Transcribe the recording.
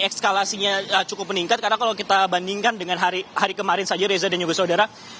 ekskalasinya cukup meningkat karena kalau kita bandingkan dengan hari kemarin saja reza dan juga saudara